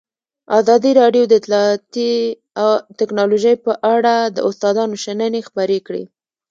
ازادي راډیو د اطلاعاتی تکنالوژي په اړه د استادانو شننې خپرې کړي.